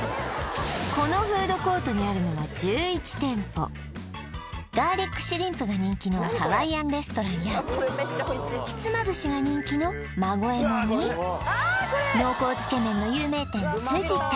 このフードコートにあるのはガーリックシュリンプが人気のハワイアンレストランやひつまぶしが人気の濃厚つけ麺の有名店